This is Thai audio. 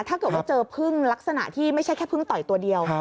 ถ้าเกิดว่าเจอพึ่งลักษณะที่ไม่ใช่แค่พึ่งต่อยตัวเดียว